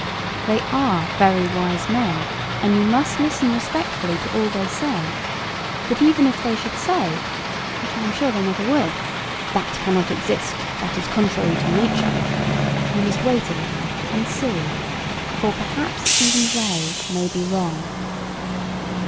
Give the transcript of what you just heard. They are very wise men; and you must listen respectfully to all they say: but even if they should say, which I am sure they never would, "That cannot exist. That is contrary to nature," you must wait a little, and see; for perhaps even they may be wrong.